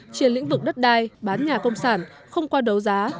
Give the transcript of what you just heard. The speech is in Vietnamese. trên lĩnh vực đất đai bán nhà công sản không qua đấu giá